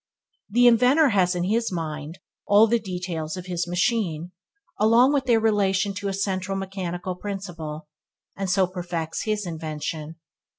The inventor has in his mind all the details of his machine, along with their relation to a central mechanical principle, and so perfects his invention.